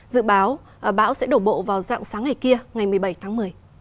dự báo bão sẽ đổ bộ vào dạng sáng ngày kia ngày một mươi bảy tháng một mươi